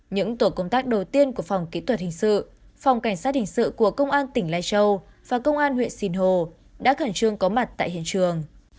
những tổ công tác đầu tiên của phòng kỹ thuật hình sự phòng cảnh sát hình sự của công an tỉnh lai châu và công an huyện sinh hồ đã khẩn trương có mặt tại hiện trường